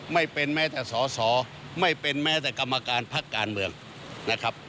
ไม่เป็นแม้แต่สอสอไม่เป็นแม้แต่กรรมการพักการเมืองนะครับ